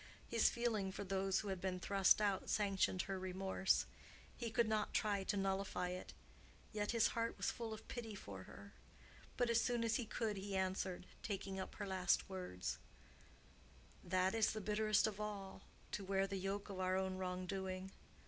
His feeling for those who had been thrust out sanctioned her remorse; he could not try to nullify it, yet his heart was full of pity for her. But as soon as he could he answered—taking up her last words, "That is the bitterest of all—to wear the yoke of our own wrong doing.